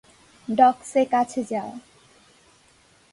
Docs এ কাছে যাও।